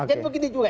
jadi begitu saja